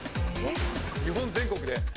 日本全国で。